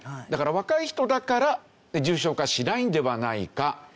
だから若い人だから重症化しないんではないか？